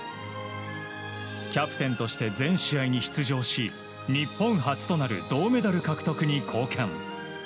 キャプテンとして全試合に出場し日本初となる銅メダル獲得に貢献。